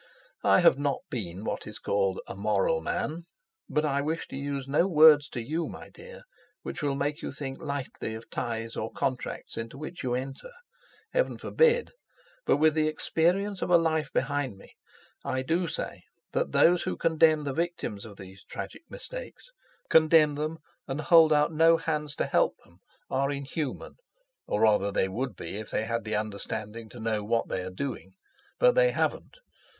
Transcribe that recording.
I have not been what is called a moral man, but I wish to use no words to you, my dear, which will make you think lightly of ties or contracts into which you enter. Heaven forbid! But with the experience of a life behind me I do say that those who condemn the victims of these tragic mistakes, condemn them and hold out no hands to help them, are inhuman, or rather they would be if they had the understanding to know what they are doing. But they haven't!